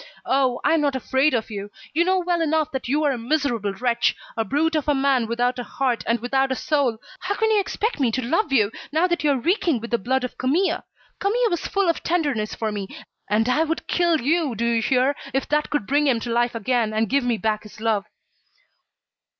Oh! I am not afraid of you. You know well enough that you are a miserable wretch, a brute of a man without a heart, and without a soul. How can you expect me to love you, now that you are reeking with the blood of Camille? Camille was full of tenderness for me, and I would kill you, do you hear, if that could bring him to life again, and give me back his love."